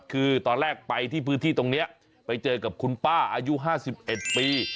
คือตอนแรกไปที่พื้นที่ตรงนี้ไปเจอกับคุณป้าอายุ๕๑ปี